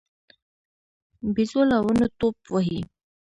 بيزو له ونو ټوپ وهي.